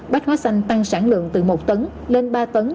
bách hóa xanh tăng sản lượng từ một tấn lên ba tấn